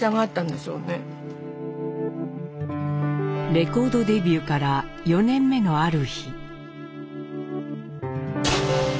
レコードデビューから４年目のある日。